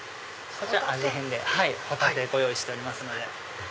味変でホタテご用意しておりますので。